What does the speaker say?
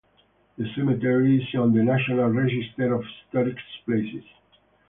The cemetery is on the National Register of Historic Places.